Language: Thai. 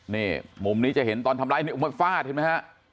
นี่มุมนี้จะเห็นตอนทำร้ายฟาดเห็นมั้ยฮะ